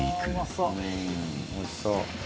「おいしそう」